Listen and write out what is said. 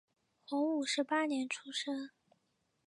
洪武十八年出生。